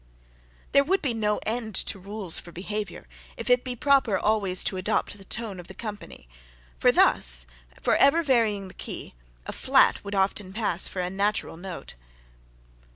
There would be no end to rules for behaviour, if it be proper always to adopt the tone of the company; for thus, for ever varying the key, a FLAT would often pass for a NATURAL note.